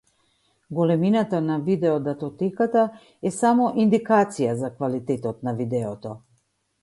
Големината на видео датотека е само индикација за квалитетот на видеото.